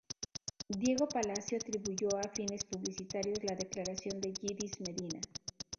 Diego Palacio atribuyó a fines publicitarios la declaración de Yidis Medina.